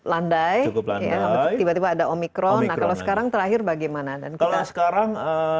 landai cukup landai tiba tiba ada omikron nah kalau sekarang terakhir bagaimana kalau sekarang